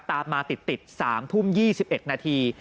ตามมาติด๓ทุ่ม๒๑นาที